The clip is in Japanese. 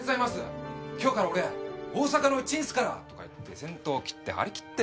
「今日から俺桜咲の一員っすから！」とか言って先頭切って張り切ってんの。